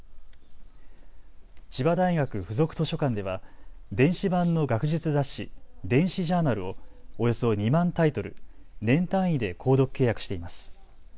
千葉大学附属図書館では電子版の学術雑誌、電子ジャーナルをおよそ２万タイトル、年単位で購読契約しています。